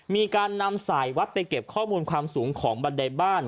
มีการนำสายวัดไปเก็บข้อมูลความสูงของบันไดบ้าน